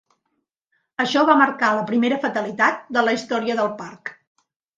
Això va marcar la primera fatalitat de la història del parc.